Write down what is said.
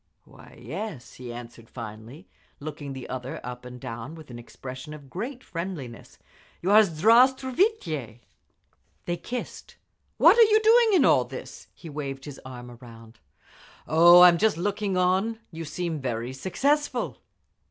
"Why yes," he answered finally, looking the other up and down with an expression of great friendliness. "You are S—. Zdra'stvuitye!" They kissed. "What are you doing in all this?" He waved his arm around. "Oh, I'am just looking on…. You seem very successful."